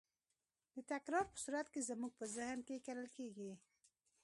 د تکرار په صورت کې زموږ په ذهن کې کرل کېږي.